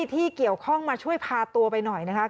ที่เกี่ยวข้องมาช่วยพาตัวไปหน่อยนะคะ